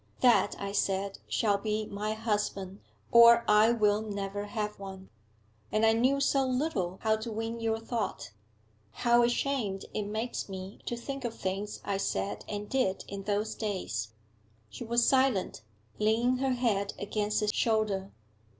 That, I said, shall be my husband, or I will never have one. And I knew so little how to win your thought. How ashamed it makes me to think of things I said and did in those days!' She was silent, leaning her head against his shoulder.